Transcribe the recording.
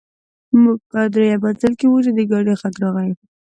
موږ په درېیم منزل کې وو چې د ګاډي غږ راغی